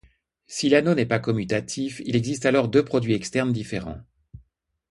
Si l'anneau n'est pas commutatif, il existe alors deux produits externes différents.